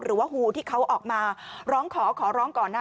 หรือว่าหูที่เขาออกมาร้องขอขอร้องก่อนน่ะ